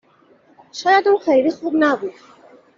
شاید اون خیلی خوب نبود